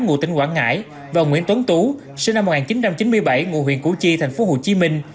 ngụ tỉnh quảng ngãi và nguyễn tuấn tú sinh năm một nghìn chín trăm chín mươi bảy ngụ huyện củ chi thành phố hồ chí minh